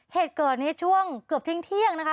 เหตุเกิดนี้ช่วงเกือบทิ้งเที่ยงนะคะ